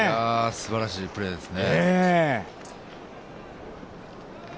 すばらしいプレーですね。